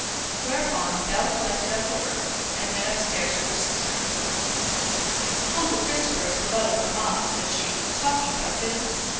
Whereupon Bell collected up her work and went upstairs to her sister. "Uncle Christopher is below with mamma," said she, "talking about business.